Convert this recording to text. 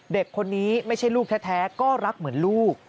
เด็กคนนี้ไม่ใช่ลูกแท้ก็รักเหมือนลูก